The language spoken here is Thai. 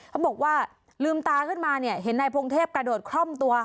เขาบอกว่าลืมตาขึ้นมาเนี่ยเห็นนายพงเทพกระโดดคล่อมตัว